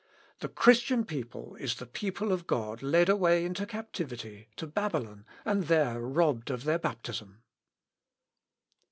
The Christian people is the people of God led away into captivity, to Babylon, and there robbed of their baptism."